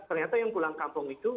ternyata yang pulang kampung itu